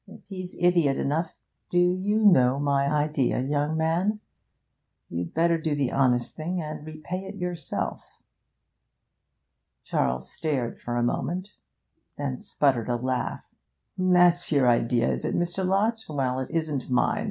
If he's idiot enough ' 'Do you know my idea, young man? You'd better do the honest thing, and repay it yourself.' Charles stared for a moment, then sputtered a laugh. 'That's your idea, is it, Mr. Lott? Well, it isn't mine.